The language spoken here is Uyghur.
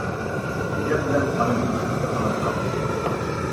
يېزىق بىلەن ئانا تىل كۆكتە قانات قاققۇسى.